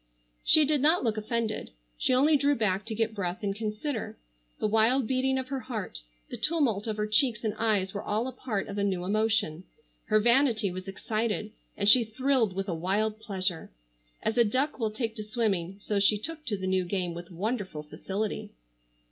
She did not look offended. She only drew back to get breath and consider. The wild beating of her heart, the tumult of her cheeks and eyes were all a part of a new emotion. Her vanity was excited, and she thrilled with a wild pleasure. As a duck will take to swimming so she took to the new game, with wonderful facility.